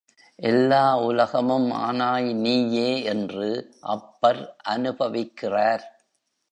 எல்லா உலகமும் ஆனாய் நீயே என்று அப்பர் அநுபவிக்கிறார்.